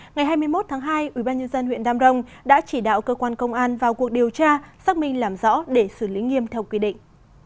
ngày hai mươi một tháng hai ubnd huyện đam rồng đã chỉ đạo cơ quan công an vào cuộc điều tra xác minh làm rõ để xử lý nghiêm theo quy định